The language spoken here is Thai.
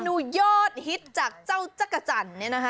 เมนูโยชน์ฮิตจากเจ้าจักรจันทร์เนี่ยนะฮะ